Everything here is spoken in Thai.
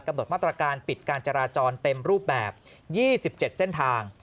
หดมาตรการปิดการจราจรเต็มรูปแบบ๒๗เส้นทาง